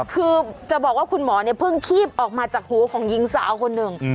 คือจะบอกว่าคุณหมอเพิ่งขี้บออกมาจากหัวของยิงสาวคนหนึ่ง